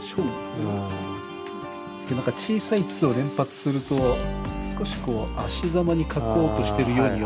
何か小さい「つ」を連発すると少しこうあしざまに書こうとしてるように思われるのかな。